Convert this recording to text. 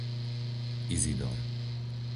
Izidor